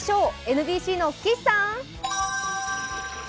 ＮＢＣの岸さん。